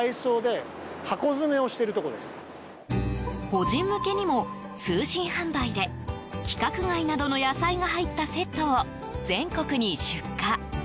個人向けにも通信販売で規格外などの野菜が入ったセットを全国に出荷。